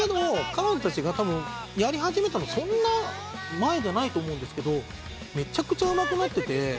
彼女たちがやり始めたのそんな前じゃないと思うんですがめちゃくちゃうまくなってて。